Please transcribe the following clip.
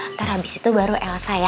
ntar habis itu baru elsa ya